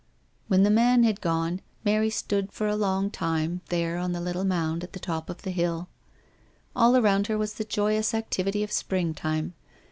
When the man had gone, Mary stood for a long time there on the little mound on the top of the hill. All around her was the joyous activity of springtime.